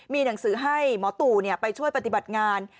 มีหนังสือให้หมอตู่ไปช่วยปฏิบัติงาน